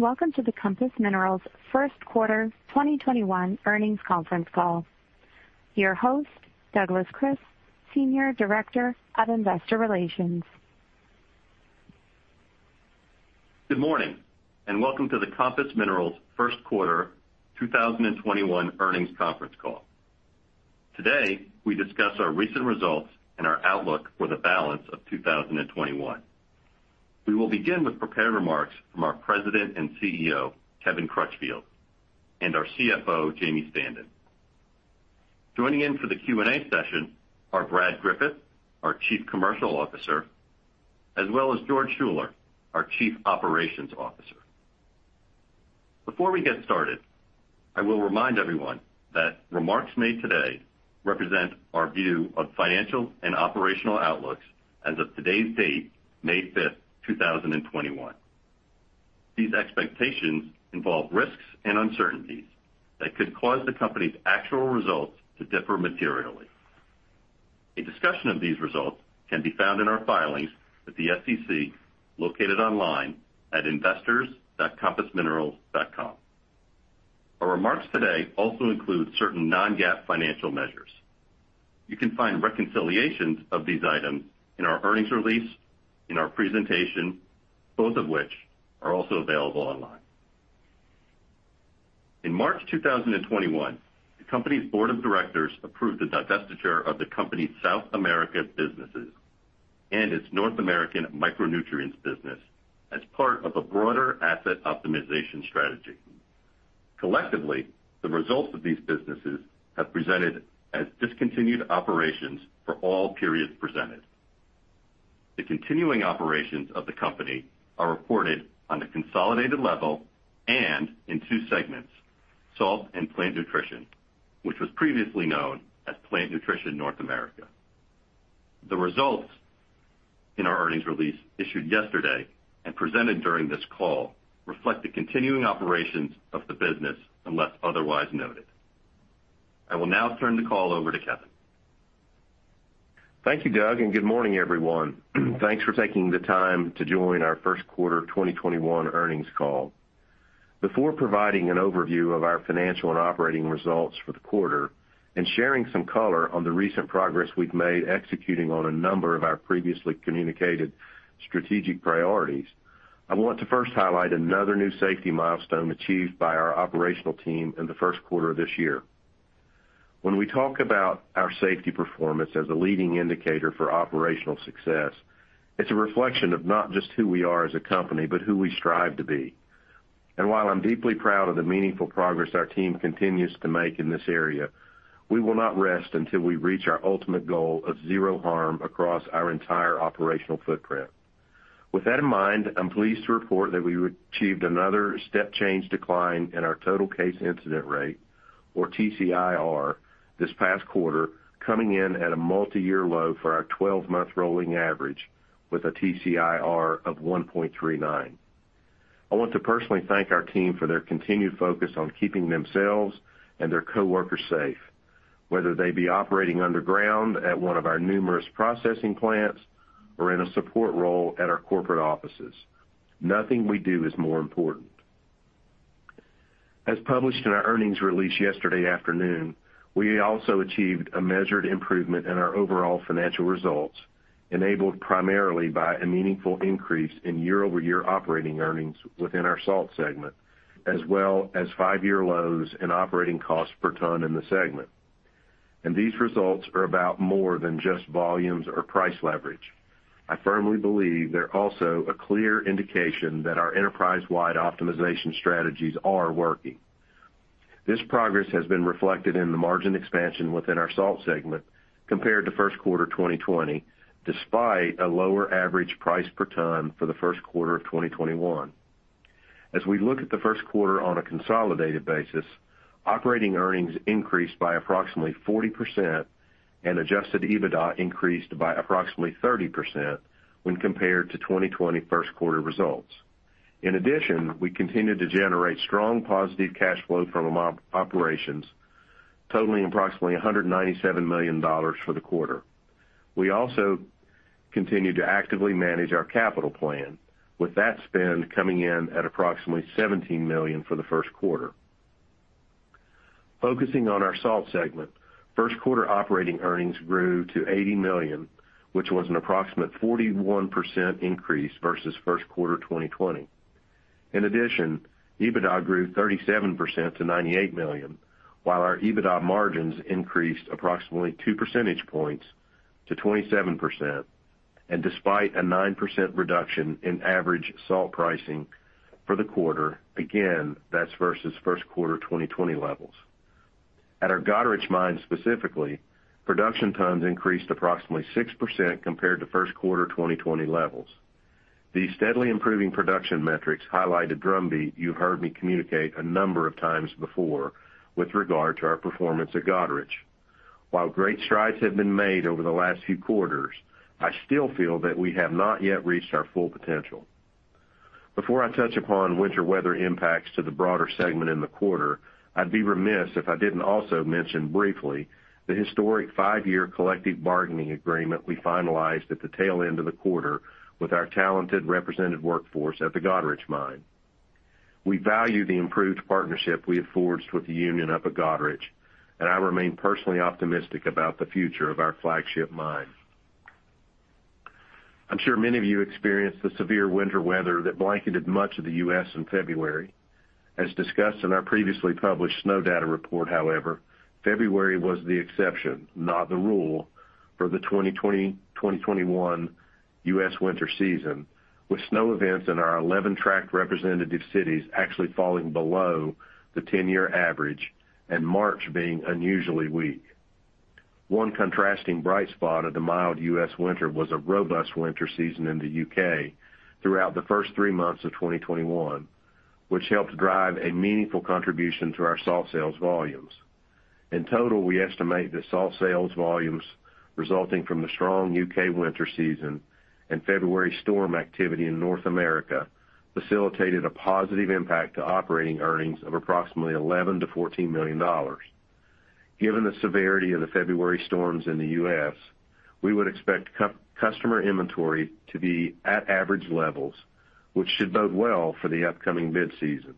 Welcome to the Compass Minerals first quarter 2021 earnings conference call. Your host, Douglas Kris, Senior Director of Investor Relations. Good morning, and welcome to the Compass Minerals first quarter 2021 earnings conference call. Today, we discuss our recent results and our outlook for the balance of 2021. We will begin with prepared remarks from our President and CEO, Kevin Crutchfield, and our CFO, Jamie Standen. Joining in for the Q&A session are Brad Griffith, our Chief Commercial Officer, as well as George Schuller, our Chief Operations Officer. Before we get started, I will remind everyone that remarks made today represent our view of financial and operational outlooks as of today's date, May 5th, 2021. These expectations involve risks and uncertainties that could cause the company's actual results to differ materially. A discussion of these results can be found in our filings with the SEC, located online at investors.compassminerals.com. Our remarks today also include certain non-GAAP financial measures. You can find reconciliations of these items in our earnings release, in our presentation, both of which are also available online. In March 2021, the company's board of directors approved the divestiture of the company's South American businesses and its North American micronutrients business as part of a broader asset optimization strategy. Collectively, the results of these businesses have presented as discontinued operations for all periods presented. The continuing operations of the company are reported on a consolidated level and in two segments: Salt and Plant Nutrition, which was previously known as Plant Nutrition North America. The results in our earnings release issued yesterday and presented during this call reflect the continuing operations of the business unless otherwise noted. I will now turn the call over to Kevin. Thank you, Doug, and good morning, everyone. Thanks for taking the time to join our first quarter 2021 earnings call. Before providing an overview of our financial and operating results for the quarter and sharing some color on the recent progress we've made executing on a number of our previously communicated strategic priorities, I want to first highlight another new safety milestone achieved by our operational team in the first quarter of this year. When we talk about our safety performance as a leading indicator for operational success, it's a reflection of not just who we are as a company, but who we strive to be. While I'm deeply proud of the meaningful progress our team continues to make in this area, we will not rest until we reach our ultimate goal of zero harm across our entire operational footprint. With that in mind, I am pleased to report that we achieved another step change decline in our total case incident rate, or TCIR, this past quarter, coming in at a multi-year low for our 12-month rolling average with a TCIR of 1.39. I want to personally thank our team for their continued focus on keeping themselves and their coworkers safe, whether they be operating underground at one of our numerous processing plants or in a support role at our corporate offices. Nothing we do is more important. As published in our earnings release yesterday afternoon, we also achieved a measured improvement in our overall financial results, enabled primarily by a meaningful increase in year-over-year operating earnings within our salt segment, as well as five-year lows in operating cost per ton in the segment. These results are about more than just volumes or price leverage. I firmly believe they're also a clear indication that our enterprise-wide optimization strategies are working. This progress has been reflected in the margin expansion within our salt segment compared to first quarter 2020, despite a lower average price per ton for the first quarter of 2021. As we look at the first quarter on a consolidated basis, operating earnings increased by approximately 40%, and adjusted EBITDA increased by approximately 30% when compared to 2020 first quarter results. In addition, we continued to generate strong positive cash flow from operations, totaling approximately $197 million for the quarter. We also continued to actively manage our capital plan, with that spend coming in at approximately $17 million for the first quarter. Focusing on our salt segment, first quarter operating earnings grew to $80 million, which was an approximate 41% increase versus first quarter 2020. In addition, EBITDA grew 37% to $98 million, while our EBITDA margins increased approximately two percentage points to 27%, and despite a 9% reduction in average salt pricing for the quarter, again, that's versus first quarter 2020 levels. At our Goderich mine specifically, production tons increased approximately 6% compared to first quarter 2020 levels. The steadily improving production metrics highlight a drumbeat you heard me communicate a number of times before with regard to our performance at Goderich. While great strides have been made over the last few quarters, I still feel that we have not yet reached our full potential. Before I touch upon winter weather impacts to the broader segment in the quarter, I'd be remiss if I didn't also mention briefly the historic five-year collective bargaining agreement we finalized at the tail end of the quarter with our talented represented workforce at the Goderich mine. We value the improved partnership we have forged with the union up at Goderich, and I remain personally optimistic about the future of our flagship mine. I'm sure many of you experienced the severe winter weather that blanketed much of the U.S. in February. As discussed in our previously published snow data report, however, February was the exception, not the rule, for the 2020-2021 U.S. winter season, with snow events in our 11 tracked representative cities actually falling below the 10-year average, and March being unusually weak. One contrasting bright spot of the mild U.S. winter was a robust winter season in the U.K. throughout the first three months of 2021, which helped drive a meaningful contribution to our salt sales volumes. In total, we estimate that salt sales volumes resulting from the strong U.K. winter season and February storm activity in North America facilitated a positive impact to operating earnings of approximately $11 million-$14 million. Given the severity of the February storms in the U.S., we would expect customer inventory to be at average levels, which should bode well for the upcoming bid season.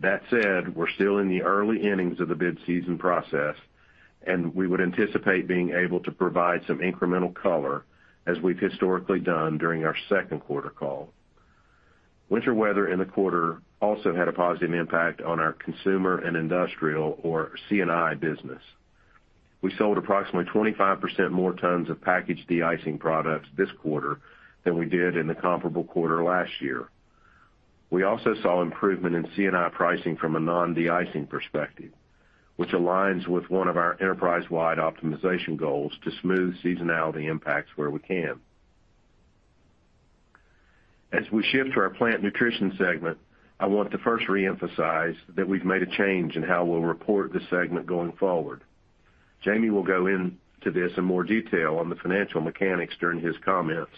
That said, we're still in the early innings of the bid season process, and we would anticipate being able to provide some incremental color as we've historically done during our second quarter call. Winter weather in the quarter also had a positive impact on our Consumer and Industrial, or C&I business. We sold approximately 25% more tons of packaged de-icing products this quarter than we did in the comparable quarter last year. We also saw improvement in C&I pricing from a non-de-icing perspective, which aligns with one of our enterprise-wide optimization goals to smooth seasonality impacts where we can. As we shift to our plant nutrition segment, I want to first reemphasize that we've made a change in how we'll report this segment going forward. Jamie will go into this in more detail on the financial mechanics during his comments,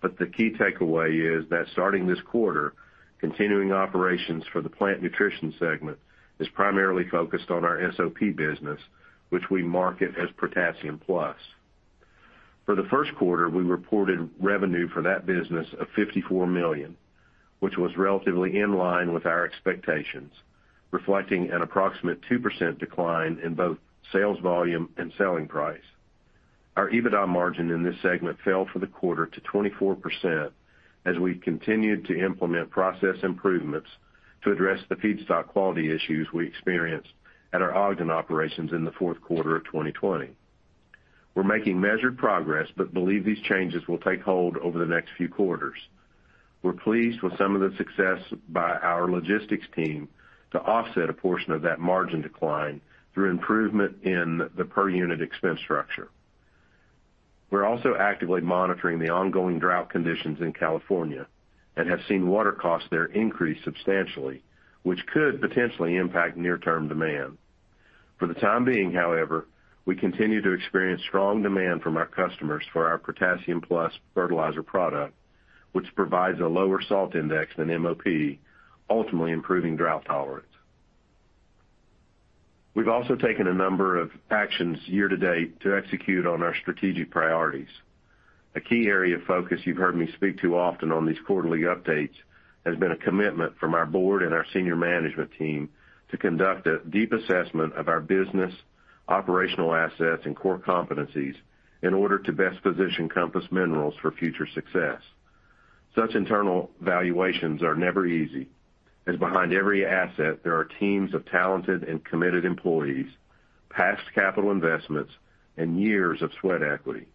but the key takeaway is that starting this quarter, continuing operations for the plant nutrition segment is primarily focused on our SOP business, which we market as Protassium+. For the first quarter, we reported revenue for that business of $54 million, which was relatively in line with our expectations, reflecting an approximate 2% decline in both sales volume and selling price. Our EBITDA margin in this segment fell for the quarter to 24% as we continued to implement process improvements to address the feedstock quality issues we experienced at our Ogden operations in the fourth quarter of 2020. We're making measured progress but believe these changes will take hold over the next few quarters. We're pleased with some of the success by our logistics team to offset a portion of that margin decline through improvement in the per unit expense structure. We're also actively monitoring the ongoing drought conditions in California and have seen water costs there increase substantially, which could potentially impact near-term demand. For the time being, however, we continue to experience strong demand from our customers for our Protassium+ fertilizer product, which provides a lower salt index than MOP, ultimately improving drought tolerance. We've also taken a number of actions year to date to execute on our strategic priorities. A key area of focus you've heard me speak to often on these quarterly updates has been a commitment from our Board and our senior management team to conduct a deep assessment of our business, operational assets and core competencies in order to best position Compass Minerals for future success. Such internal valuations are never easy, as behind every asset there are teams of talented and committed employees, past capital investments, and years of sweat equity.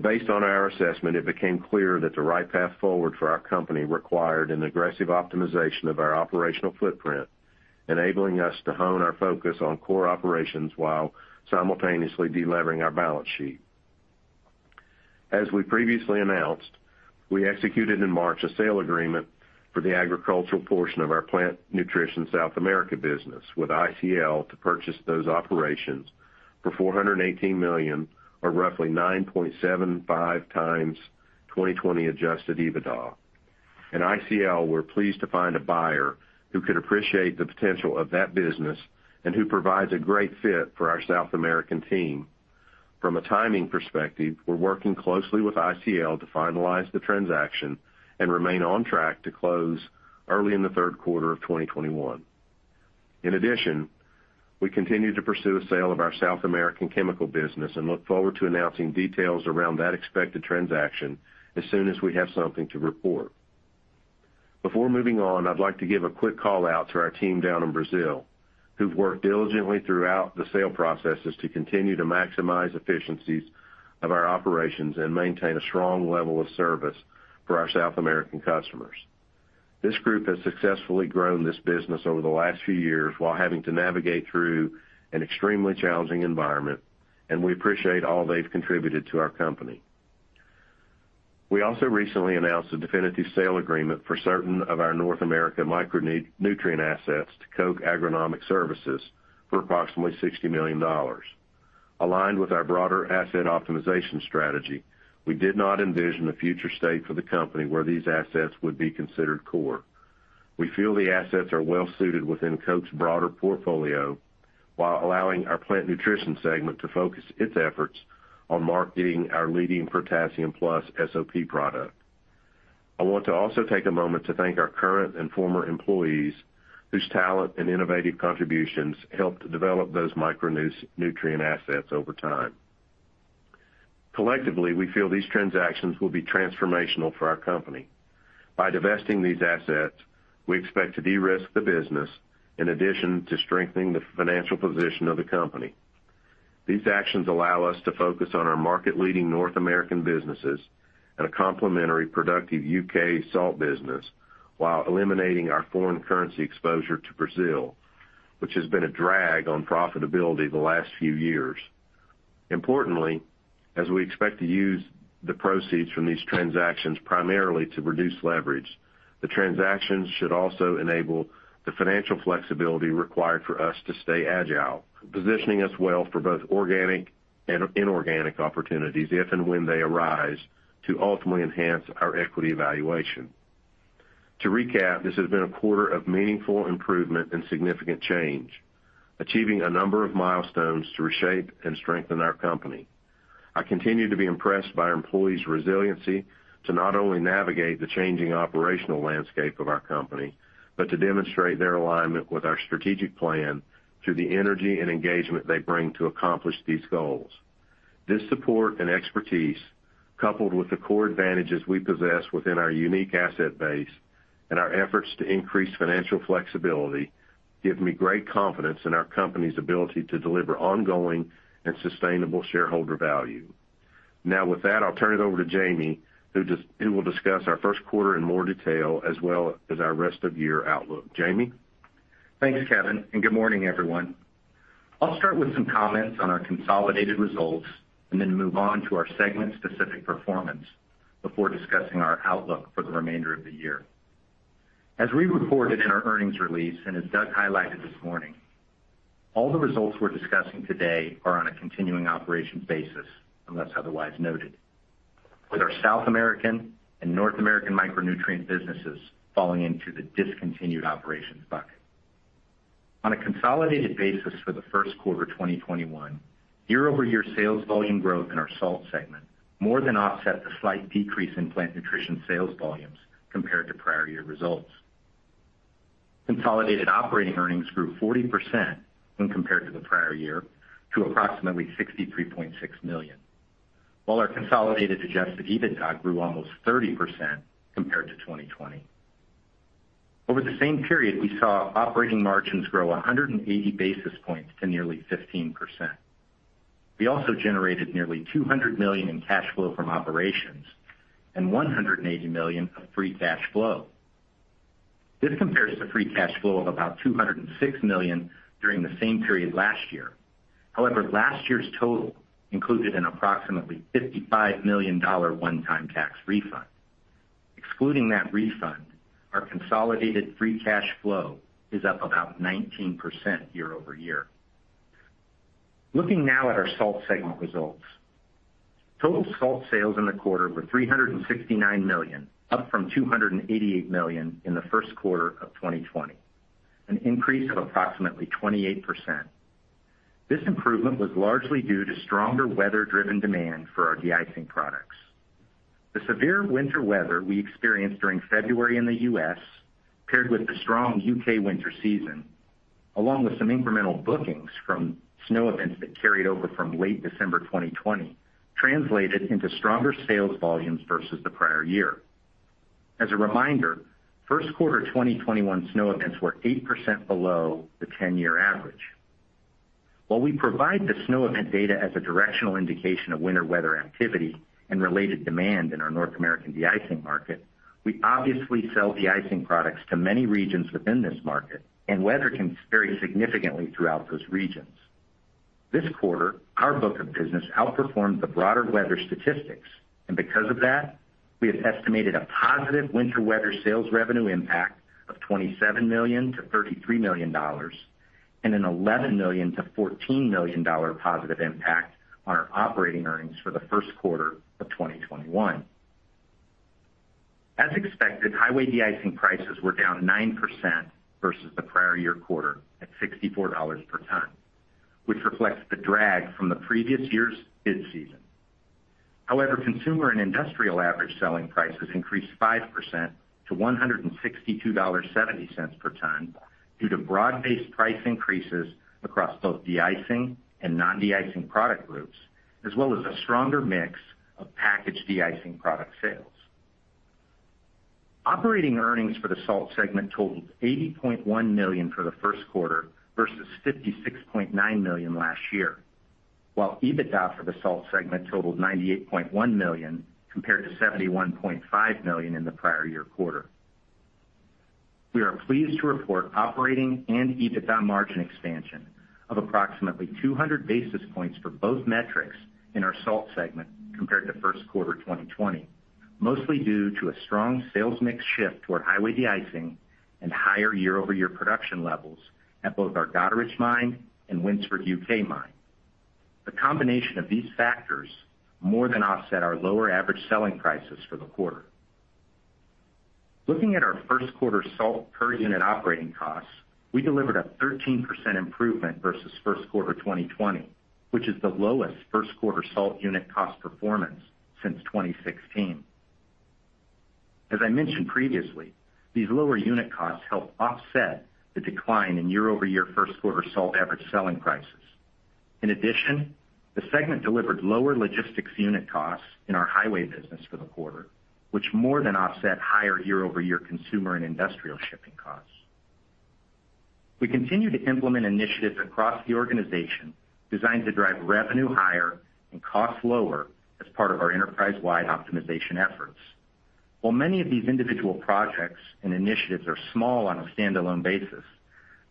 Based on our assessment, it became clear that the right path forward for our company required an aggressive optimization of our operational footprint, enabling us to hone our focus on core operations while simultaneously delevering our balance sheet. As we previously announced, we executed in March a sale agreement for the agricultural portion of our Plant Nutrition South America business with ICL to purchase those operations for $418 million or roughly 9.75x 2020 adjusted EBITDA. In ICL, we're pleased to find a buyer who could appreciate the potential of that business and who provides a great fit for our South American team. From a timing perspective, we're working closely with ICL to finalize the transaction and remain on track to close early in the third quarter of 2021. In addition, we continue to pursue the sale of our South American chemical business and look forward to announcing details around that expected transaction as soon as we have something to report. Before moving on, I'd like to give a quick call-out to our team down in Brazil, who've worked diligently throughout the sale processes to continue to maximize efficiencies of our operations and maintain a strong level of service for our South American customers. This group has successfully grown this business over the last few years while having to navigate through an extremely challenging environment, and we appreciate all they've contributed to our company. We also recently announced a definitive sale agreement for certain of our North America micronutrient assets to Koch Agronomic Services for approximately $60 million. Aligned with our broader asset optimization strategy, we did not envision a future state for the company where these assets would be considered core. We feel the assets are well suited within Koch's broader portfolio, while allowing our plant nutrition segment to focus its efforts on marketing our leading Protassium+ SOP product. I want to also take a moment to thank our current and former employees whose talent and innovative contributions helped develop those micronutrient assets over time. Collectively, we feel these transactions will be transformational for our company. By divesting these assets, we expect to de-risk the business in addition to strengthening the financial position of the company. These actions allow us to focus on our market-leading North American businesses and a complementary productive U.K. salt business while eliminating our foreign currency exposure to Brazil, which has been a drag on profitability the last few years. Importantly, as we expect to use the proceeds from these transactions primarily to reduce leverage, the transactions should also enable the financial flexibility required for us to stay agile, positioning us well for both organic and inorganic opportunities if and when they arise to ultimately enhance our equity evaluation. To recap, this has been a quarter of meaningful improvement and significant change, achieving a number of milestones to reshape and strengthen our company. I continue to be impressed by our employees' resiliency to not only navigate the changing operational landscape of our company, but to demonstrate their alignment with our strategic plan through the energy and engagement they bring to accomplish these goals. This support and expertise, coupled with the core advantages we possess within our unique asset base and our efforts to increase financial flexibility, give me great confidence in our company's ability to deliver ongoing and sustainable shareholder value. With that, I'll turn it over to Jamie, who will discuss our first quarter in more detail as well as our rest of year outlook. Jamie? Thanks, Kevin, good morning, everyone. I'll start with some comments on our consolidated results then move on to our segment-specific performance before discussing our outlook for the remainder of the year. As we reported in our earnings release, as Doug highlighted this morning, all the results we're discussing today are on a continuing operations basis, unless otherwise noted, with our South American and North American micronutrient businesses falling into the discontinued operations bucket. On a consolidated basis for the first quarter 2021, year-over-year sales volume growth in our salt segment more than offset the slight decrease in plant nutrition sales volumes compared to prior year results. Consolidated operating earnings grew 40% when compared to the prior year to approximately $63.6 million, while our consolidated adjusted EBITDA grew almost 30% compared to 2020. Over the same period, we saw operating margins grow 180 basis points to nearly 15%. We also generated nearly $200 million in cash flow from operations and $180 million of free cash flow. This compares to free cash flow of about $206 million during the same period last year. Last year's total included an approximately $55 million one-time tax refund. Excluding that refund, our consolidated free cash flow is up about 19% year-over-year. Looking now at our salt segment results. Total salt sales in the quarter were $369 million, up from $288 million in the first quarter of 2020, an increase of approximately 28%. This improvement was largely due to stronger weather-driven demand for our deicing products. The severe winter weather we experienced during February in the U.S., paired with the strong U.K. winter season, along with some incremental bookings from snow events that carried over from late December 2020, translated into stronger sales volumes versus the prior year. As a reminder, first quarter 2021 snow events were 8% below the 10-year average. While we provide the snow event data as a directional indication of winter weather activity and related demand in our North American de-icing market, we obviously sell de-icing products to many regions within this market, and weather can vary significantly throughout those regions. This quarter, our book of business outperformed the broader weather statistics, and because of that, we have estimated a positive winter weather sales revenue impact of $27 million-$33 million, and an $11 million-$14 million positive impact on our operating earnings for the first quarter of 2021. As expected, Highway Deicing prices were down 9% versus the prior year quarter at $64 per ton, which reflects the drag from the previous year's bid season. However, Consumer and Industrial average selling prices increased 5% to $162.70 per ton due to broad-based price increases across both deicing and non-deicing product groups, as well as a stronger mix of packaged deicing product sales. Operating earnings for the salt segment totaled $80.1 million for the first quarter versus $56.9 million last year, while EBITDA for the salt segment totaled $98.1 million compared to $71.5 million in the prior year quarter. We are pleased to report operating and EBITDA margin expansion of approximately 200 basis points for both metrics in our salt segment compared to first quarter 2020, mostly due to a strong sales mix shift toward Highway Deicing and higher year-over-year production levels at both our Goderich mine and Winsford, U.K., mine. The combination of these factors more than offset our lower average selling prices for the quarter. Looking at our first quarter salt per unit operating costs, we delivered a 13% improvement versus first quarter 2020, which is the lowest first quarter salt unit cost performance since 2016. As I mentioned previously, these lower unit costs help offset the decline in year-over-year first quarter salt average selling prices. The segment delivered lower logistics unit costs in our Highway Deicing business for the quarter, which more than offset higher year-over-year Consumer and Industrial shipping costs. We continue to implement initiatives across the organization designed to drive revenue higher and costs lower as part of our enterprise-wide optimization efforts. Many of these individual projects and initiatives are small on a standalone basis,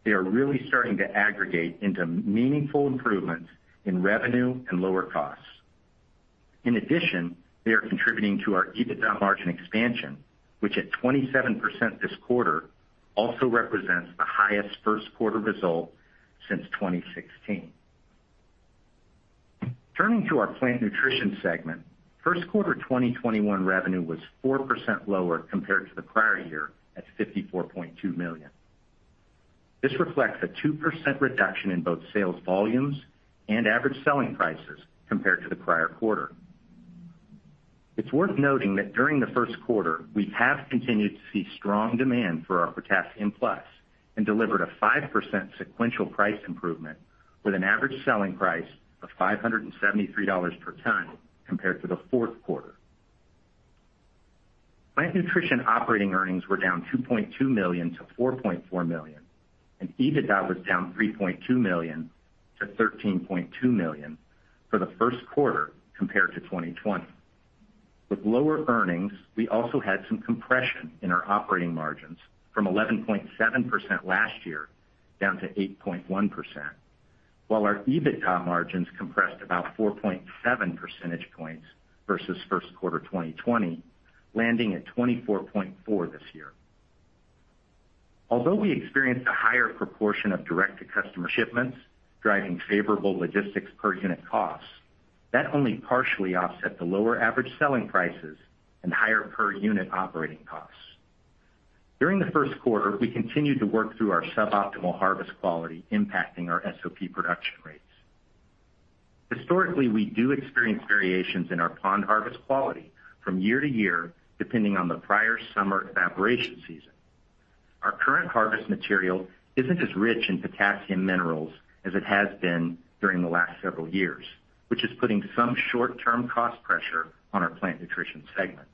they are really starting to aggregate into meaningful improvements in revenue and lower costs. They are contributing to our EBITDA margin expansion, which at 27% this quarter, also represents the highest first quarter result since 2016. Turning to our Plant Nutrition segment, first quarter 2021 revenue was 4% lower compared to the prior year at $54.2 million. This reflects a 2% reduction in both sales volumes and average selling prices compared to the prior quarter. It's worth noting that during the first quarter, we have continued to see strong demand for our Protassium+ and delivered a 5% sequential price improvement with an average selling price of $573 per ton compared to the fourth quarter. Plant Nutrition operating earnings were down $2.2 million to $4.4 million, and EBITDA was down $3.2 million to $13.2 million for the first quarter compared to 2020. With lower earnings, we also had some compression in our operating margins from 11.7% last year down to 8.1%. While our EBITDA margins compressed about 4.7 percentage points versus first quarter 2020, landing at 24.4% this year. Although we experienced a higher proportion of direct-to-customer shipments, driving favorable logistics per unit costs, that only partially offset the lower average selling prices and higher per unit operating costs. During the first quarter, we continued to work through our suboptimal harvest quality impacting our SOP production rates. Historically, we do experience variations in our pond harvest quality from year to year, depending on the prior summer evaporation season. Our current harvest material isn't as rich in potassium minerals as it has been during the last several years, which is putting some short-term cost pressure on our Plant Nutrition segment.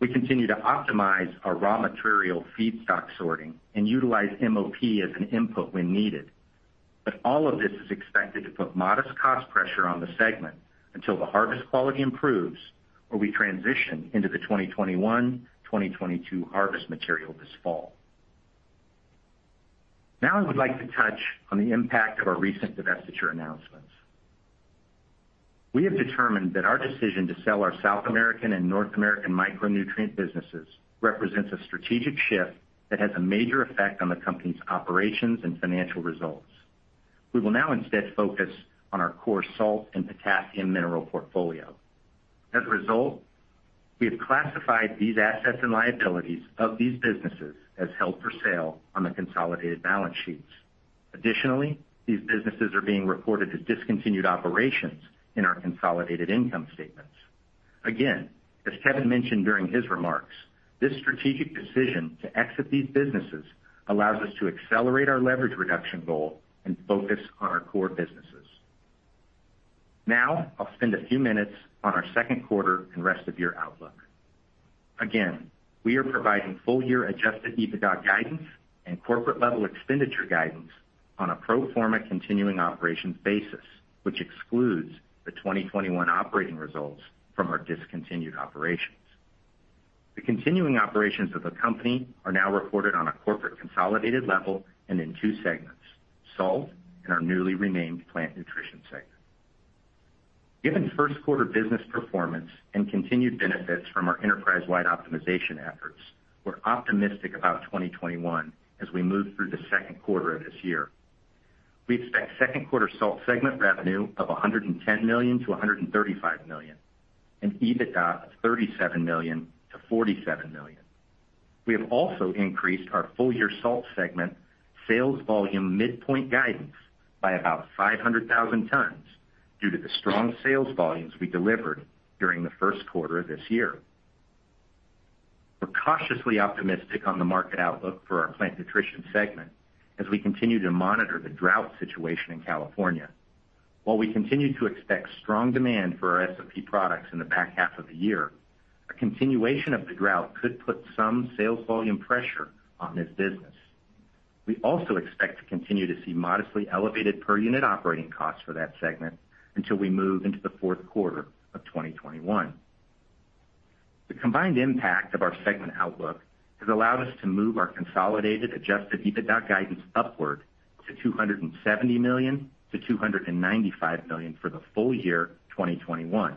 We continue to optimize our raw material feedstock sorting and utilize MOP as an input when needed. All of this is expected to put modest cost pressure on the segment until the harvest quality improves or we transition into the 2021-2022 harvest material this fall. Now I would like to touch on the impact of our recent divestiture announcements. We have determined that our decision to sell our South American and North American micronutrient businesses represents a strategic shift that has a major effect on the company's operations and financial results. We will now instead focus on our core salt and potassium mineral portfolio. As a result, we have classified these assets and liabilities of these businesses as held for sale on the consolidated balance sheets. Additionally, these businesses are being reported as discontinued operations in our consolidated income statements. Again, as Kevin mentioned during his remarks, this strategic decision to exit these businesses allows us to accelerate our leverage reduction goal and focus on our core businesses. Now, I'll spend a few minutes on our second quarter and rest of year outlook. Again, we are providing full-year adjusted EBITDA guidance and corporate-level expenditure guidance on a pro forma continuing operations basis, which excludes the 2021 operating results from our discontinued operations. The continuing operations of the company are now reported on a corporate consolidated level and in two segments, Salt and our newly renamed Plant Nutrition segment. Given first quarter business performance and continued benefits from our enterprise-wide optimization efforts, we are optimistic about 2021 as we move through the second quarter of this year. We expect second quarter Salt segment revenue of $110 million-$135 million and EBITDA of $37 million-$47 million. We have also increased our full-year Salt segment sales volume midpoint guidance by about 500,000 tons due to the strong sales volumes we delivered during the first quarter of this year. We're cautiously optimistic on the market outlook for our Plant Nutrition segment as we continue to monitor the drought situation in California. While we continue to expect strong demand for our SOP products in the back half of the year, a continuation of the drought could put some sales volume pressure on this business. We also expect to continue to see modestly elevated per unit operating costs for that segment until we move into the fourth quarter of 2021. The combined impact of our segment outlook has allowed us to move our consolidated adjusted EBITDA guidance upward to $270 million-$295 million for the full year 2021.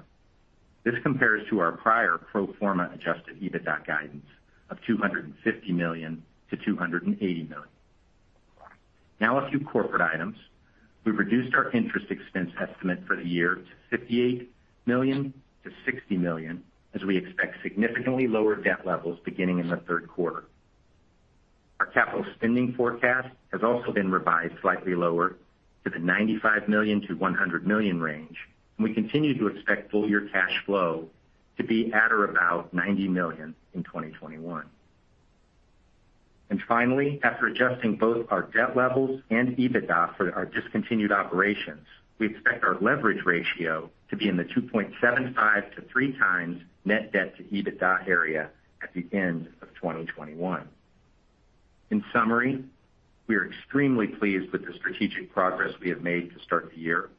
This compares to our prior pro forma adjusted EBITDA guidance of $250 million-$280 million. Now a few corporate items. We've reduced our interest expense estimate for the year to $58 million-$60 million, as we expect significantly lower debt levels beginning in the third quarter. Our capital spending forecast has also been revised slightly lower to the $95 million-$100 million range, we continue to expect full-year cash flow to be at or about $90 million in 2021. Finally, after adjusting both our debt levels and EBITDA for our discontinued operations, we expect our leverage ratio to be in the 2.75x to 3x net debt to EBITDA area at the end of 2021. In summary, we are extremely pleased with the strategic progress we have made to start the year.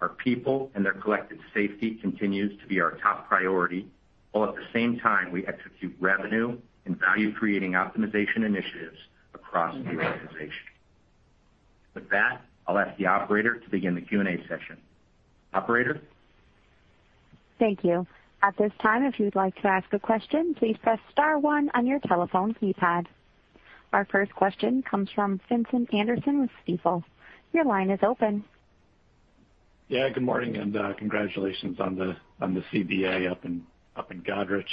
Our people and their collective safety continues to be our top priority, while at the same time we execute revenue and value-creating optimization initiatives across the organization. With that, I'll ask the Operator to begin the Q&A session. Operator? Thank you. At this time if you like to ask a question please press star one on your telephone keypad. Our first question comes from Vincent Anderson with Stifel. Your line is open. Yeah, good morning and congratulations on the CBA up in Goderich.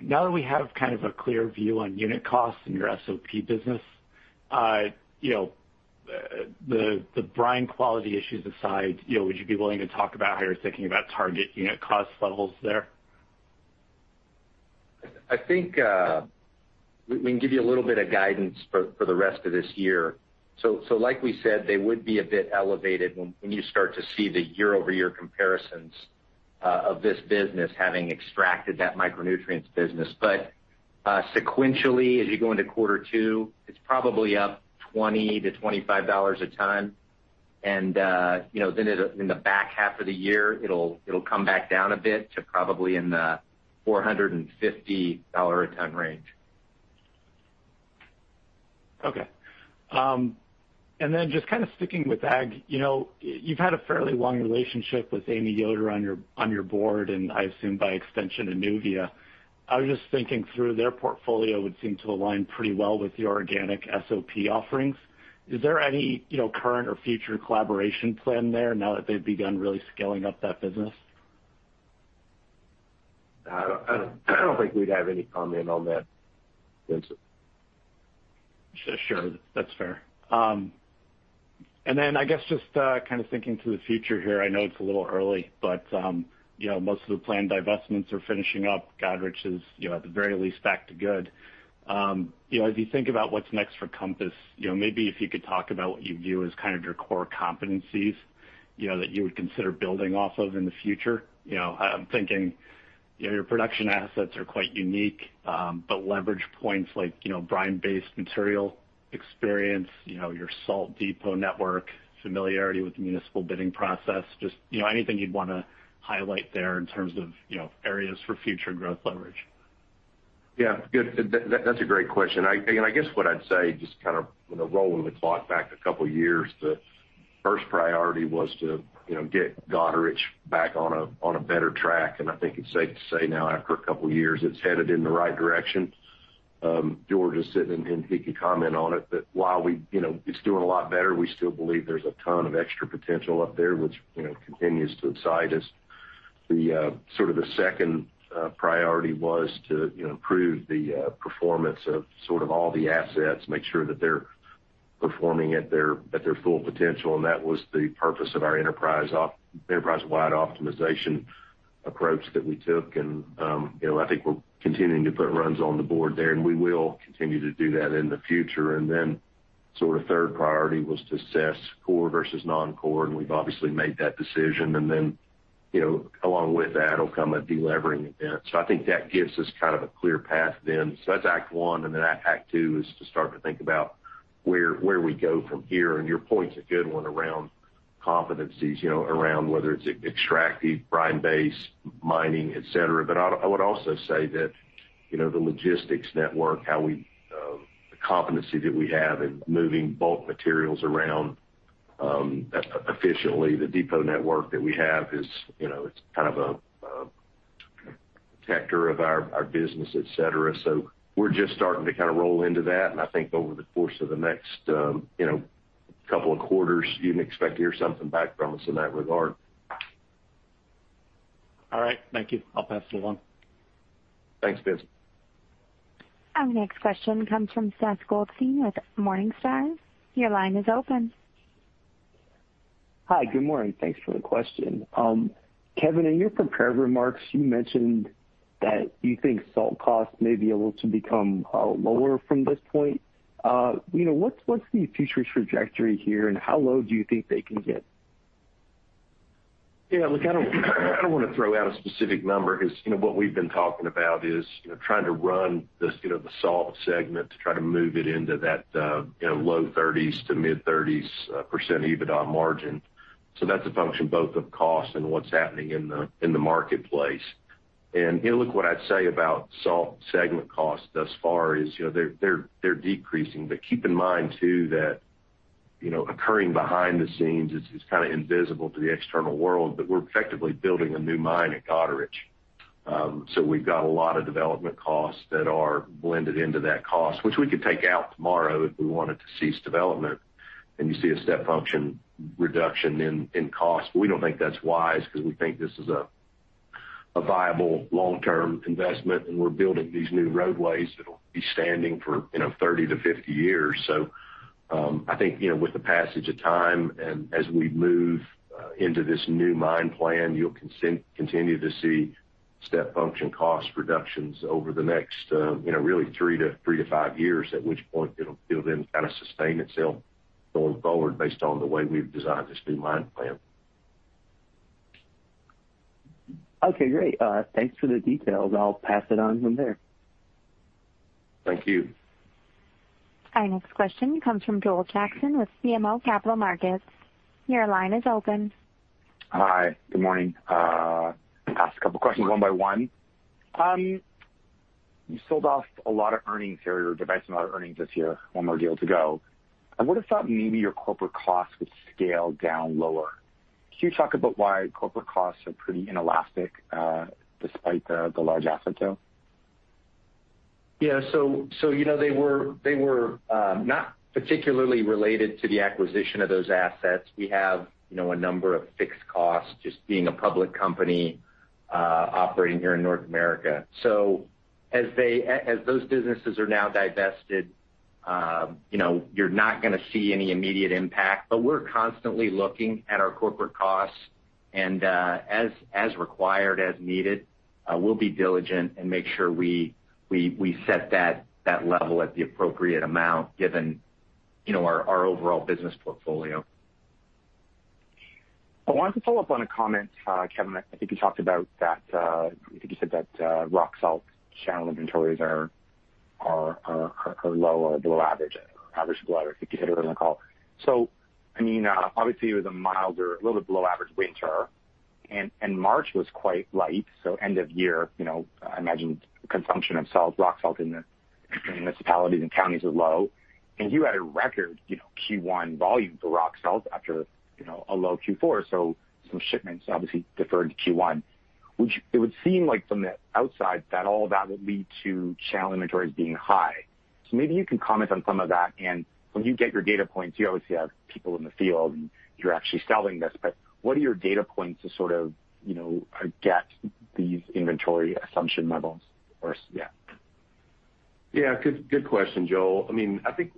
Now that we have kind of a clear view on unit costs in your SOP business, the brine quality issues aside, would you be willing to talk about how you're thinking about target unit cost levels there? I think we can give you a little bit of guidance for the rest of this year. Like we said, they would be a bit elevated when you start to see the year-over-year comparisons of this business having extracted that micronutrients business. Sequentially, as you go into quarter two, it's probably up $20-$25 a ton. Then in the back half of the year, it'll come back down a bit to probably in the $450 a ton range. Okay. Just kind of sticking with ag, you've had a fairly long relationship with Amy Yoder on your board, and I assume by extension, Anuvia. I was just thinking through their portfolio would seem to align pretty well with your organic SOP offerings. Is there any current or future collaboration plan there now that they've begun really scaling up that business? I don't think we'd have any comment on that, Vincent. Sure. That's fair. I guess just kind of thinking to the future here, I know it's a little early, but most of the planned divestments are finishing up. Goderich is at the very least back to good. As you think about what's next for Compass, maybe if you could talk about what you view as kind of your core competencies that you would consider building off of in the future. I'm thinking your production assets are quite unique, but leverage points like brine-based material experience, your salt depot network, familiarity with the municipal bidding process, just anything you'd want to highlight there in terms of areas for future growth leverage. Yeah. Good. That's a great question. I guess what I'd say, just kind of rolling the clock back a couple of years, the first priority was to get Goderich back on a better track, and I think it's safe to say now after a couple of years, it's headed in the right direction. George is sitting in, he can comment on it, but while it's doing a lot better, we still believe there's a ton of extra potential up there which continues to excite us. The sort of the second priority was to improve the performance of sort of all the assets, make sure that they're performing at their full potential and that was the purpose of our enterprise-wide optimization approach that we took, and I think we're continuing to put runs on the board there, and we will continue to do that in the future. Sort of third priority was to assess core versus non-core, and we've obviously made that decision. Along with that will come a delevering event. I think that gives us kind of a clear path then. That's act one, and then act two is to start to think about where we go from here. Your point's a good one around competencies, around whether it's extractive, brine base, mining, et cetera. I would also say that the logistics network, the competency that we have in moving bulk materials around efficiently, the depot network that we have is kind of a protector of our business, et cetera. We're just starting to kind of roll into that, and I think over the course of the next couple of quarters, you can expect to hear something back from us in that regard. All right. Thank you. I'll pass it along. Thanks, Vincent. Our next question comes from Seth Goldstein with Morningstar. Your line is open. Hi, good morning. Thanks for the question. Kevin, in your prepared remarks, you mentioned that you think salt costs may be able to become lower from this point. What's the future trajectory here, and how low do you think they can get? Yeah, look, I don't want to throw out a specific number because what we've been talking about is trying to run the salt segment to try to move it into that low 30s to mid-30s% EBITDA margin. That's a function both of cost and what's happening in the marketplace. Look, what I'd say about salt segment cost thus far is they're decreasing, but keep in mind, too, that Occurring behind the scenes, it's kind of invisible to the external world, but we're effectively building a new mine at Goderich. We've got a lot of development costs that are blended into that cost, which we could take out tomorrow if we wanted to cease development. You see a step function reduction in cost. We don't think that's wise because we think this is a viable long-term investment, and we're building these new roadways that'll be standing for 30-50 years. I think, with the passage of time and as we move into this new mine plan, you'll continue to see step function cost reductions over the next really three to five years, at which point it'll then kind of sustain itself going forward based on the way we've designed this new mine plan. Okay, great. Thanks for the details. I'll pass it on from there. Thank you. Our next question comes from Joel Jackson with BMO Capital Markets. Your line is open. Hi, good morning. Ask a couple questions one by one. You sold off a lot of earnings here, or divested a lot of earnings this year, one more deal to go. I would've thought maybe your corporate costs would scale down lower. Can you talk about why corporate costs are pretty inelastic, despite the large asset sale? Yeah. They were not particularly related to the acquisition of those assets. We have a number of fixed costs just being a public company, operating here in North America. As those businesses are now divested, you're not going to see any immediate impact. We're constantly looking at our corporate costs and, as required, as needed, we'll be diligent and make sure we set that level at the appropriate amount given our overall business portfolio. I wanted to follow up on a comment, Kevin Crutchfield, I think you said that rock salt channel inventories are low or below average. I think you said it on the call. Obviously it was a milder, a little bit below average winter, and March was quite light. End of year, I imagine consumption of rock salt in the municipalities and counties are low. You had a record Q1 volume for rock salt after a low Q4, so some shipments obviously deferred to Q1. It would seem like from the outside that all of that would lead to channel inventories being high. Maybe you can comment on some of that, and when you get your data points, you obviously have people in the field, and you're actually selling this, but what are your data points to sort of get these inventory assumption levels? Good question, Joel. I think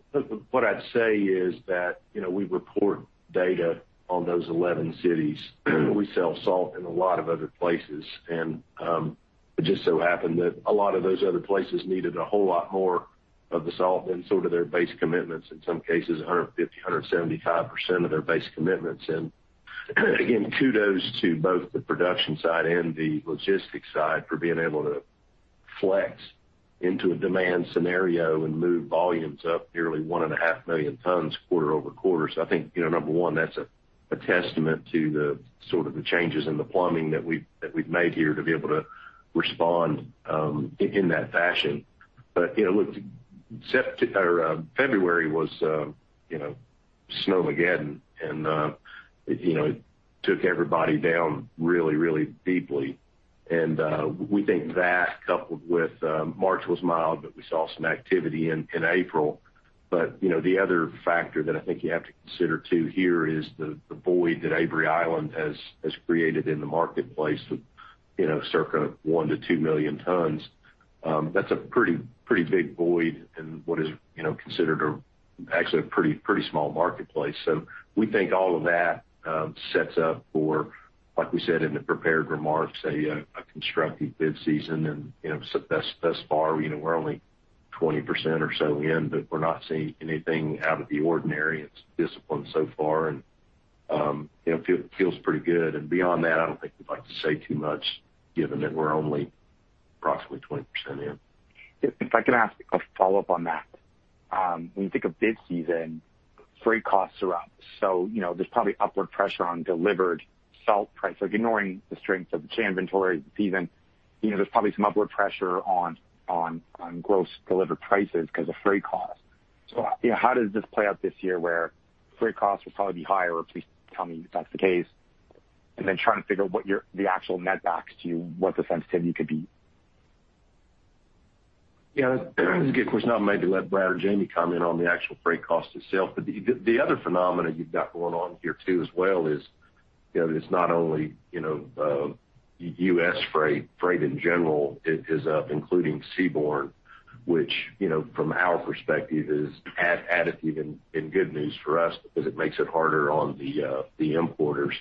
what I'd say is that, we report data on those 11 cities. We sell salt in a lot of other places, and it just so happened that a lot of those other places needed a whole lot more of the salt than sort of their base commitments, in some cases, 150%, 175% of their base commitments. Again, kudos to both the production side and the logistics side for being able to flex into a demand scenario and move volumes up nearly 1.5 million tons quarter-over-quarter. I think, number one, that's a testament to the sort of the changes in the plumbing that we've made here to be able to respond in that fashion. February was snowmageddon, and it took everybody down really deeply. We think that coupled with March was mild, but we saw some activity in April. The other factor that I think you have to consider, too, here is the void that Avery Island has created in the marketplace of circa 1 million tons-2 million tons. That's a pretty big void in what is considered actually a pretty small marketplace. We think all of that sets up for, like we said in the prepared remarks, a constructive bid season. Thus far, we're only 20% or so in, but we're not seeing anything out of the ordinary. It's disciplined so far, and feels pretty good. Beyond that, I don't think we'd like to say too much given that we're only approximately 20% in. If I can ask a follow-up on that. When you think of bid season, freight costs are up, so there's probably upward pressure on delivered salt price. Like ignoring the strength of the chain inventory, the season, there's probably some upward pressure on gross delivered prices because of freight costs. How does this play out this year where freight costs will probably be higher? Please tell me if that's the case. Trying to figure out what the actual net backs to you, what the sensitivity could be. Good question. I'll maybe let Brad Griffith or Jamie Standen comment on the actual freight cost itself. The other phenomena you've got going on here too as well is, it's not only U.S. freight. Freight in general is up, including seaborne, which from our perspective is added even in good news for us because it makes it harder on the importers.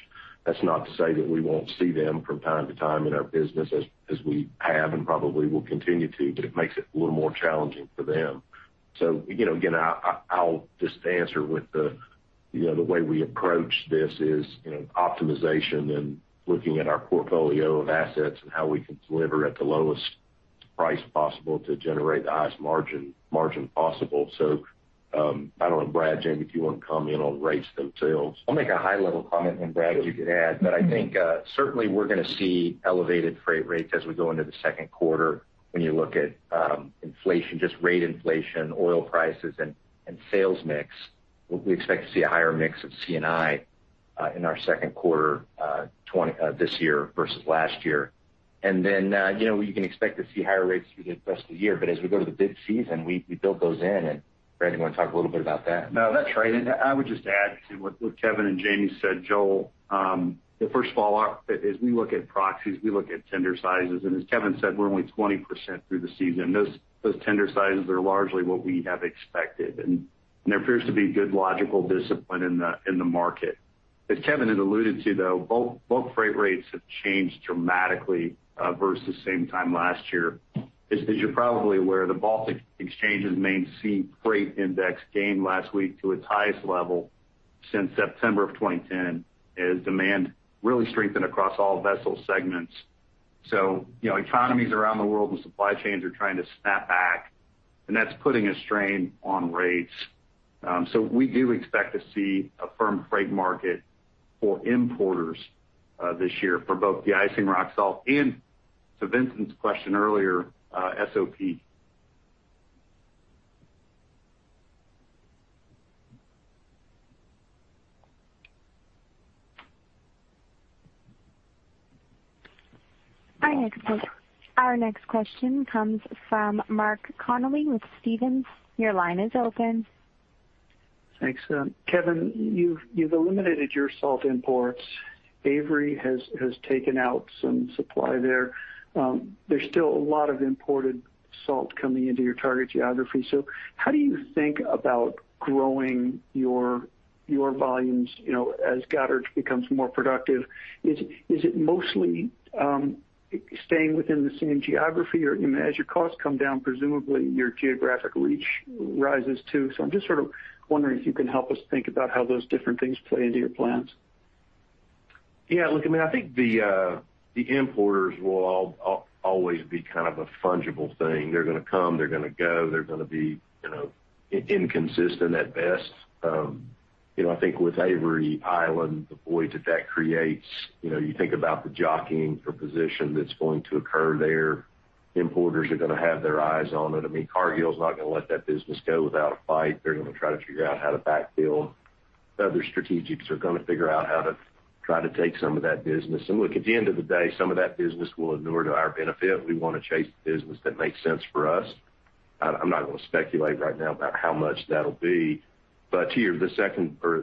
That's not to say that we won't see them from time to time in our business as we have and probably will continue to, but it makes it a little more challenging for them. Again, I'll just answer with the way we approach this is optimization and looking at our portfolio of assets and how we can deliver at the lowest price possible to generate the highest margin possible. I don't know, Brad Griffith, Jamie Standen, if you want to comment on rates themselves. I'll make a high level comment, and Brad, you can add. I think, certainly we're going to see elevated freight rates as we go into the second quarter when you look at inflation, just rate inflation, oil prices, and sales mix. We expect to see a higher mix of C&I. In our second quarter this year versus last year. You can expect to see higher rates through the rest of the year, but as we go to the bid season, we build those in. Brad, you want to talk a little bit about that? No, that's right. I would just add to what Kevin and Jamie said, Joel, that first of all, as we look at proxies, we look at tender sizes, and as Kevin said, we're only 20% through the season. Those tender sizes are largely what we have expected, and there appears to be good logical discipline in the market. As Kevin had alluded to, though, bulk freight rates have changed dramatically versus same time last year. As you're probably aware, the Baltic Exchange's main sea freight index gained last week to its highest level since September of 2010 as demand really strengthened across all vessel segments. Economies around the world and supply chains are trying to snap back, and that's putting a strain on rates. We do expect to see a firm freight market for importers this year for both the deicing rock salt and, to Vincent's question earlier, SOP. Our next question comes from Mark Connelly with Stephens. Your line is open. Thanks. Kevin, you've eliminated your salt imports. Avery has taken out some supply there. There's still a lot of imported salt coming into your target geography. How do you think about growing your volumes as Goderich becomes more productive? Is it mostly staying within the same geography, or as your costs come down, presumably your geographic reach rises too? I'm just sort of wondering if you can help us think about how those different things play into your plans. Yeah, look, I think the importers will always be kind of a fungible thing. They're going to come, they're going to go, they're going to be inconsistent at best. I think with Avery Island, the void that creates, you think about the jockeying for position that's going to occur there. Importers are going to have their eyes on it. Cargill's not going to let that business go without a fight. They're going to try to figure out how to backfill. Other strategics are going to figure out how to try to take some of that business. Look, at the end of the day, some of that business will inure to our benefit. We want to chase the business that makes sense for us. I'm not going to speculate right now about how much that'll be. To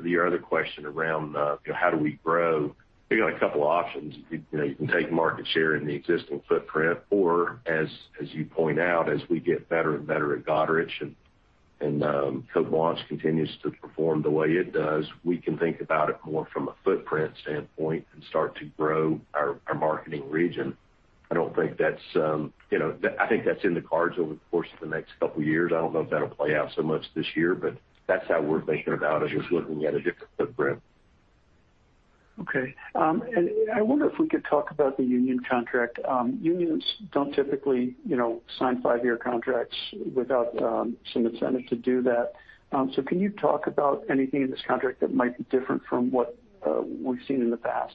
your other question around how do we grow, we got a couple options. You can take market share in the existing footprint or, as you point out, as we get better and better at Goderich and Cote Blanche continues to perform the way it does, we can think about it more from a footprint standpoint and start to grow our marketing region. I think that's in the cards over the course of the next couple years. I don't know if that'll play out so much this year, but that's how we're thinking about it, is looking at a different footprint. I wonder if we could talk about the union contract. Unions don't typically sign five-year contracts without some incentive to do that. Can you talk about anything in this contract that might be different from what we've seen in the past?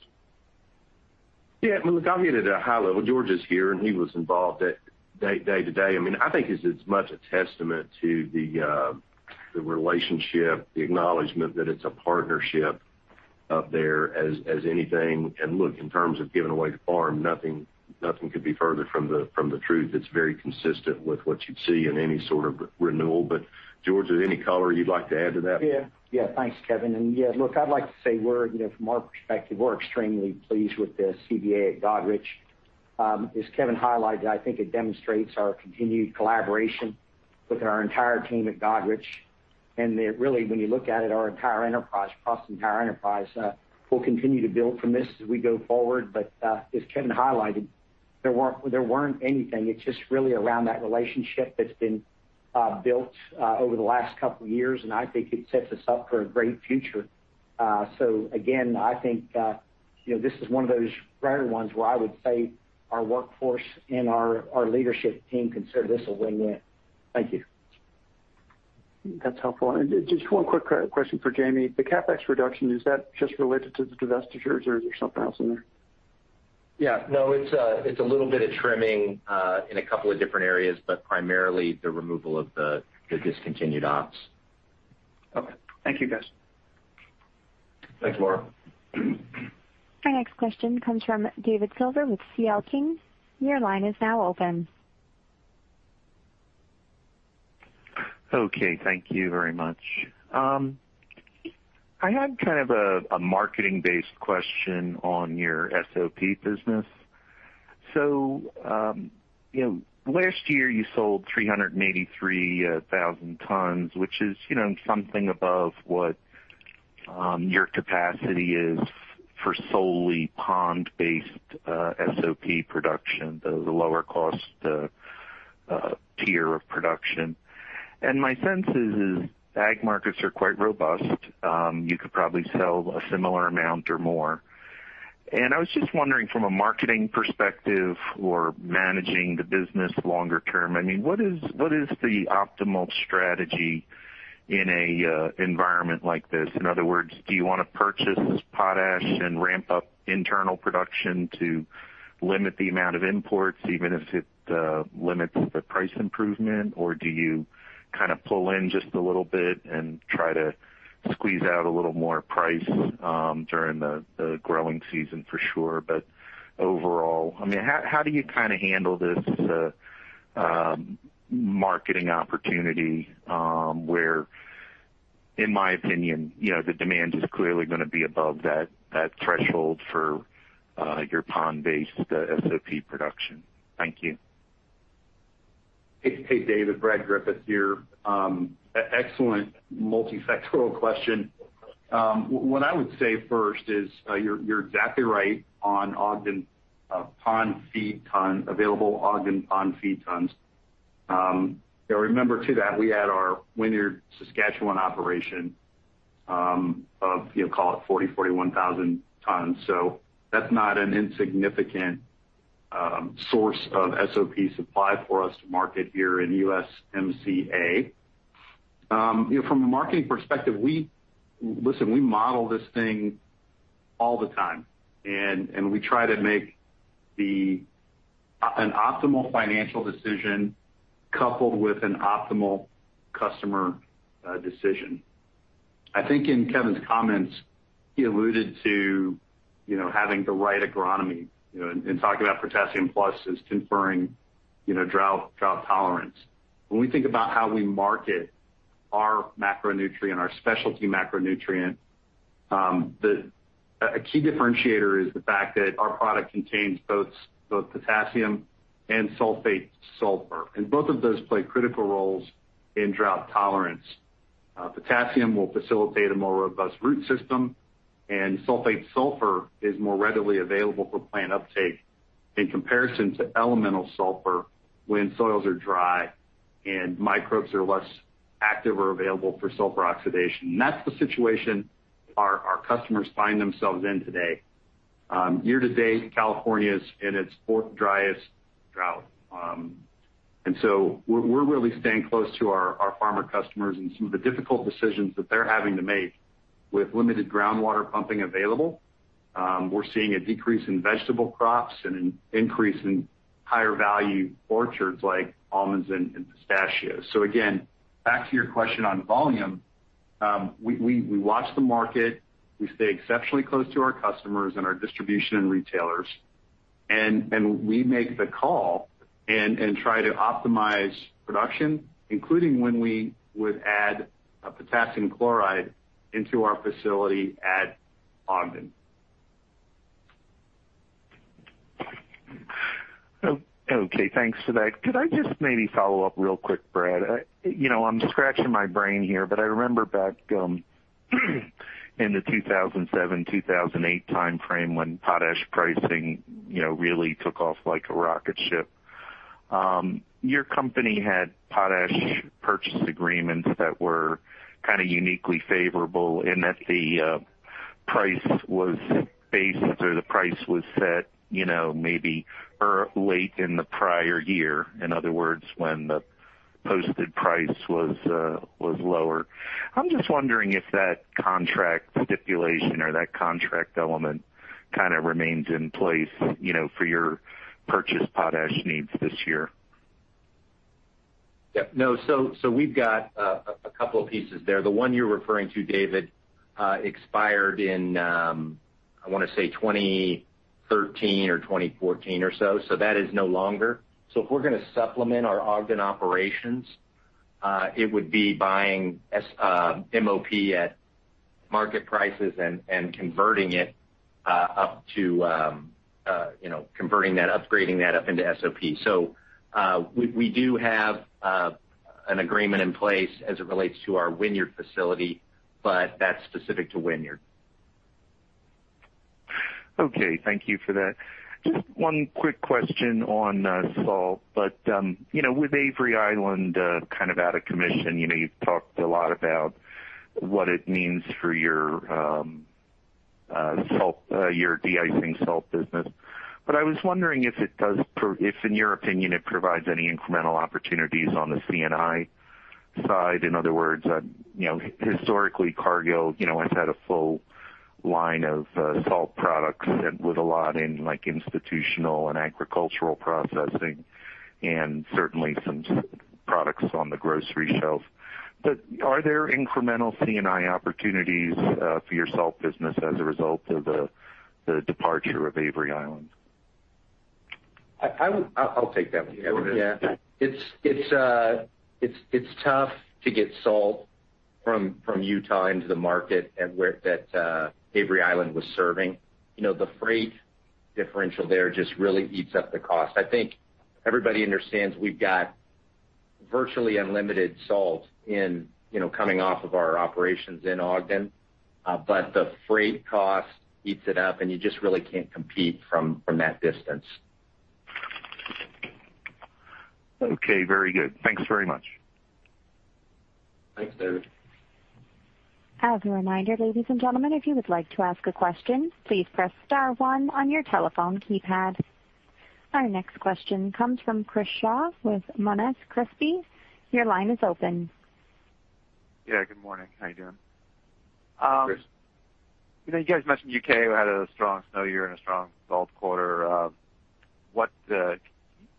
Yeah. Look, I'll hit it at a high level. George is here, and he was involved day to day. I think it's as much a testament to the relationship, the acknowledgement that it's a partnership up there as anything. Look, in terms of giving away the farm, nothing could be further from the truth. It's very consistent with what you'd see in any sort of renewal. George, is there any color you'd like to add to that? Thanks, Kevin. I'd like to say from our perspective, we're extremely pleased with the CBA at Goderich. As Kevin highlighted, I think it demonstrates our continued collaboration with our entire team at Goderich, really, when you look at it, across our entire enterprise. We'll continue to build from this as we go forward. As Kevin highlighted, there weren't anything. It's just really around that relationship that's been built over the last couple years, and I think it sets us up for a great future. Again, I think this is one of those rare ones where I would say our workforce and our leadership team consider this a win-win. Thank you. That's helpful. Just one quick question for Jamie. The CapEx reduction, is that just related to the divestitures or is there something else in there? Yeah. No, it's a little bit of trimming in a couple of different areas, but primarily the removal of the discontinued ops. Okay. Thank you, guys. Thanks, Mark. Our next question comes from David Silver with CL King. Your line is now open. Okay, thank you very much. I had kind of a marketing-based question on your SOP business. Last year you sold 383,000 tons, which is something above what your capacity is for solely pond-based SOP production, the lower cost tier of production. My sense is ag markets are quite robust. You could probably sell a similar amount or more. I was just wondering from a marketing perspective or managing the business longer term, what is the optimal strategy in an environment like this, in other words, do you want to purchase potash and ramp up internal production to limit the amount of imports, even if it limits the price improvement? Or do you pull in just a little bit and try to squeeze out a little more price during the growing season for sure? Overall, how do you handle this marketing opportunity where, in my opinion, the demand is clearly going to be above that threshold for your pond-based SOP production? Thank you. Hey, David, Brad Griffith here. Excellent multifactorial question. What I would say first is, you're exactly right on Ogden Pond feed ton, available Ogden Pond feed tons. Remember too, that we had our Wynyard, Saskatchewan operation of, call it 40,000, 41,000 tons. That's not an insignificant source of SOP supply for us to market here in the USMCA. From a marketing perspective, listen, we model this thing all the time, and we try to make an optimal financial decision coupled with an optimal customer decision. I think in Kevin's comments, he alluded to having the right agronomy and talking about Protassium+ as conferring drought tolerance. When we think about how we market our macronutrient, our specialty macronutrient, a key differentiator is the fact that our product contains both potassium and sulfate sulfur, and both of those play critical roles in drought tolerance. Potassium will facilitate a more robust root system, and sulfate sulfur is more readily available for plant uptake in comparison to elemental sulfur when soils are dry and microbes are less active or available for sulfur oxidation. That's the situation our customers find themselves in today. Year to date, California's in its fourth driest drought. We're really staying close to our farmer customers and some of the difficult decisions that they're having to make with limited groundwater pumping available. We're seeing a decrease in vegetable crops and an increase in higher value orchards like almonds and pistachios. Again, back to your question on volume. We watch the market, we stay exceptionally close to our customers and our distribution and retailers, and we make the call and try to optimize production, including when we would add a potassium chloride into our facility at Ogden. Okay, thanks for that. Could I just maybe follow up real quick, Brad? I'm scratching my brain here, but I remember back in the 2007, 2008 timeframe when potash pricing really took off like a rocket ship. Your company had potash purchase agreements that were uniquely favorable in that the price was based or the price was set maybe late in the prior year. In other words, when the posted price was lower. I'm just wondering if that contract stipulation or that contract element remains in place for your purchased potash needs this year. Yeah. No. We've got a couple of pieces there. The one you're referring to, David, expired in, I want to say 2013 or 2014 or so. That is no longer. If we're going to supplement our Ogden operations, it would be buying MOP at market prices and converting that, upgrading that up into SOP. We do have an agreement in place as it relates to our Wynyard facility, but that's specific to Wynyard. Okay. Thank you for that. Just one quick question on salt, with Avery Island out of commission, you've talked a lot about what it means for your deicing salt business. I was wondering if it does, if in your opinion, it provides any incremental opportunities on the C&I side. In other words, historically, Cargill has had a full line of salt products with a lot in institutional and agricultural processing and certainly some products on the grocery shelf. Are there incremental C&I opportunities for your salt business as a result of the departure of Avery Island? I'll take that one. Go ahead. Yeah. It is tough to get salt from Utah into the market that Avery Island was serving. The freight differential there just really eats up the cost. I think everybody understands we have got virtually unlimited salt coming off of our operations in Ogden, but the freight cost eats it up and you just really cannot compete from that distance. Okay, very good. Thanks very much. Thanks, David. As a reminder, ladies and gentlemen, if you would like to ask a question, please press star one on your telephone keypad. Our next question comes from Chris Shaw with Monness Crespi. Your line is open. Yeah. Good morning. How you doing? Chris. You guys mentioned U.K. had a strong snow year and a strong salt quarter. Can you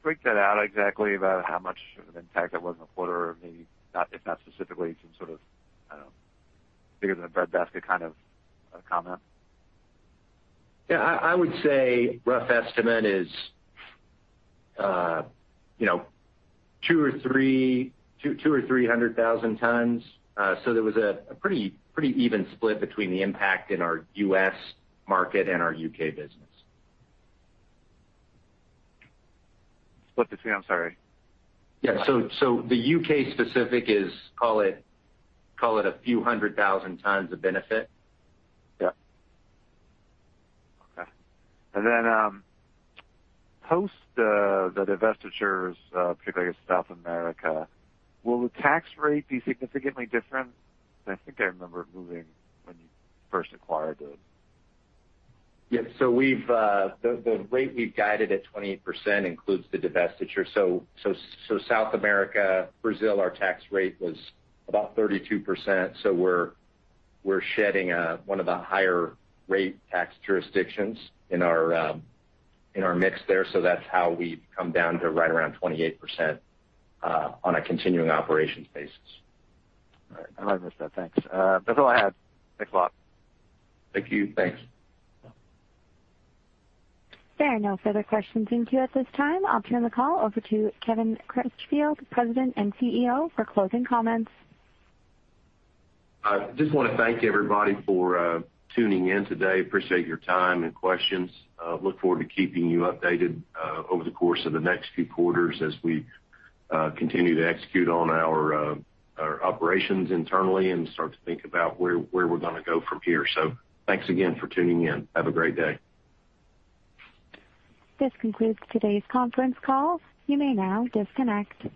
break that out exactly about how much of an impact that was in the quarter? Or maybe if not specifically, some sort of, I don't know, bigger than a breadbasket kind of a comment. Yeah. I would say rough estimate is 200,000 or 300,000 tons. There was a pretty even split between the impact in our U.S. market and our U.K. business. Split the two. I'm sorry. Yeah. The U.K. specific is, call it a few 100,000 tons of benefit. Yep. Okay. Then post the divestitures, particularly I guess South America, will the tax rate be significantly different? Because I think I remember it moving when you first acquired it. Yeah. The rate we've guided at 28% includes the divestiture. South America, Brazil, our tax rate was about 32%. We're shedding one of the higher rate tax jurisdictions in our mix there. That's how we've come down to right around 28% on a continuing operations basis. All right. I missed that. Thanks. That's all I had. Thanks a lot. Thank you. Thanks. There are no further questions in queue at this time. I'll turn the call over to Kevin Crutchfield, President and CEO, for closing comments. I just want to thank everybody for tuning in today. Appreciate your time and questions. Look forward to keeping you updated over the course of the next few quarters as we continue to execute on our operations internally and start to think about where we're going to go from here. Thanks again for tuning in. Have a great day. This concludes today's conference call. You may now disconnect.